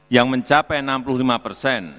yang mencapai enam puluh lima persen